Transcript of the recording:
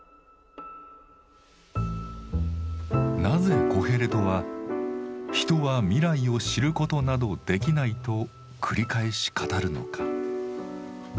なぜコヘレトは「人は未来を知ることなどできない」と繰り返し語るのか。